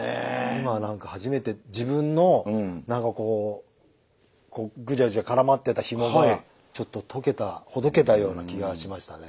今何か初めて自分の何かこうこうグチャグチャ絡まってたヒモがちょっと解けたほどけたような気がしましたね。